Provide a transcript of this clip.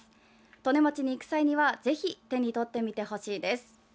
利根町に行く際にはぜひ手に取ってみてほしいです。